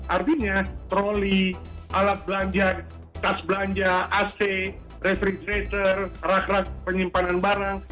artinya troli alat belanja tas belanja ac refric tracer rak rak penyimpanan barang